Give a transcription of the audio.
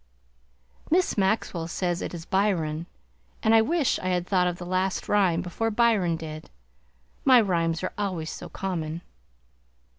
Miss Maxwell says it is Byron, and I wish I had thought of the last rhyme before Byron did; my rhymes are always so common.